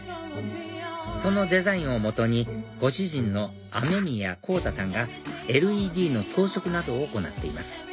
そのデザインを基にご主人の雨宮浩太さんがＬＥＤの装飾などを行っています